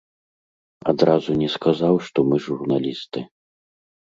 Адразу не сказаў, што мы журналісты.